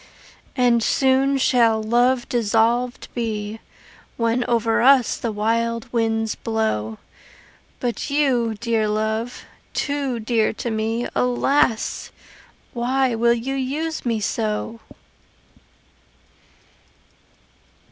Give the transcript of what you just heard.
And soon shall love dissolved be When over us the wild winds blow But you, dear love, too dear to me, Alas! why will you use me so?